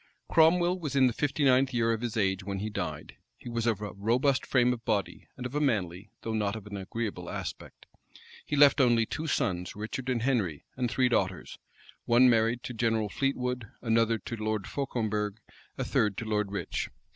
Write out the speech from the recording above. Cromwell was in the fifty ninth year of his age when he died. He was of a robust frame of body, and of a manly, though not of an agreeable aspect. He left only two sons, Richard and Henry; and three daughters; one married to General Fleetwood, another to Lord Fauconberg, a third to Lord Rich.